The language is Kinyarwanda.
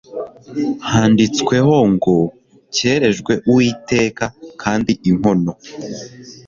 handitsweho ngo Cyerejwe Uwiteka kandi inkono